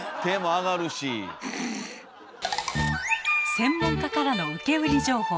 専門家からの受け売り情報。